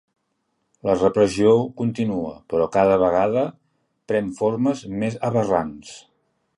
La repressió continua, però cada vegada pren formes més aberrants.